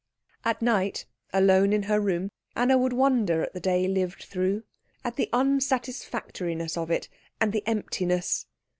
At night, alone in her room, Anna would wonder at the day lived through, at the unsatisfactoriness of it, and the emptiness.